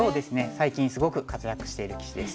最近すごく活躍している棋士です。